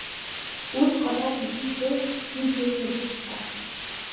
Усҟан ауп, изызӡозеи, сӡыӡо ианысҳәа…